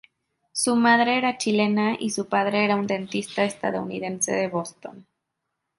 Su madre era chilena y su padre era un dentista estadounidense de Boston.